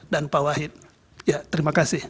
dan pak wahid ya terima kasih